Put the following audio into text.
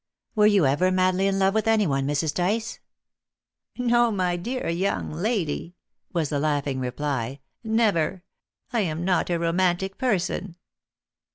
"Were you ever madly in love with anyone, Mrs. Tice?" "No, my dear young lady," was the laughing reply, "never! I am not a romantic person."